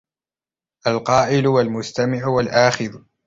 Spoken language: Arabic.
الْقَائِلُ وَالْمُسْتَمِعُ وَالْآخِذُ